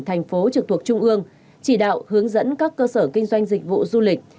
thành phố trực thuộc trung ương chỉ đạo hướng dẫn các cơ sở kinh doanh dịch vụ du lịch